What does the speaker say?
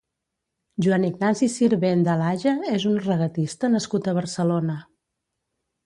Joan Ignasi Sirvent de Lage és un regatista nascut a Barcelona.